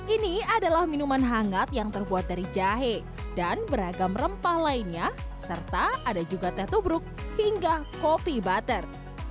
ini adalah minuman hangat yang terbuat dari jahe dan beragam rempah lainnya serta ada juga teh tubruk hingga kopi butter